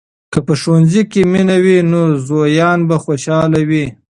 که په ښوونځي کې مینه وي، نو زویان به خوشحال وي.